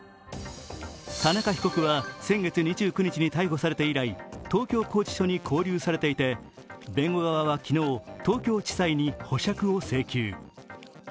田中被告は先月２９日に逮捕されて以来、東京拘置所に勾留されていて弁護側は昨日、東京地裁に保釈を請求。